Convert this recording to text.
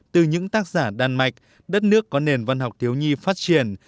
từ những tác giả đan mạch đất nước có nền văn học thiếu nhi phát triển